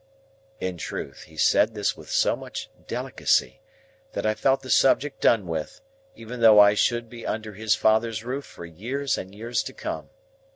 In truth, he said this with so much delicacy, that I felt the subject done with, even though I should be under his father's roof for years and years to come.